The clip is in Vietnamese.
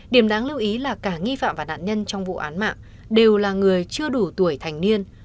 điểm đáng lưu ý là cả nghi phạm và nạn nhân trong vụ án mạng đều là người chưa đủ tuổi thành niên